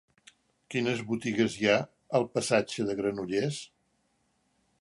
Quines botigues hi ha al passatge de Granollers?